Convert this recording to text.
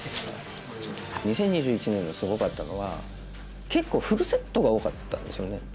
２０２１年のすごかったのは結構フルセットが多かったんですよね。